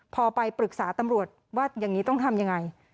พอไปปรึกษาตำรวจว่าอย่างนี้ต้องทำยังไง